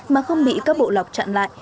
mà không bị các bộ lọc chặn lại